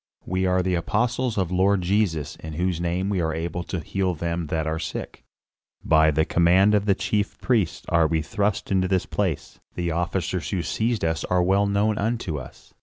"We are the apostles of the Lord Jesus, in whose name we are able to heal them that are sick. By the command of the chief priests are we thrust into this place; the officers who seized us are well known unto us.